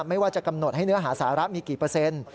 ไม่ว่าจะกำหนดให้เนื้อหาสาระมีกี่เปอร์เซ็นต์